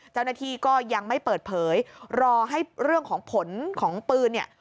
เจ้าหน้าที่ก็ยังไม่เปิดเผยรอให้เรื่องของผลของปืนเนี่ย